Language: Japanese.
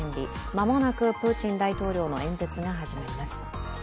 間もなくプーチン大統領の演説が始まります。